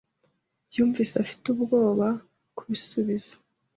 Yumvise afite ubwoba kubisubizo.